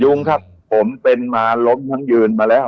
ลุงครับผมเป็นมาล้มทั้งยืนมาแล้ว